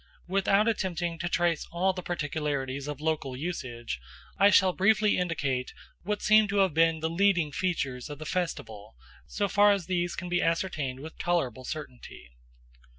Without attempting to trace all the particularities of local usage I shall briefly indicate what seem to have been the leading features of the festival, so far as these can be ascertained with tolerable certainty.